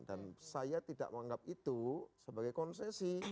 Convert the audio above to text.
dan saya tidak menganggap itu sebagai konsesi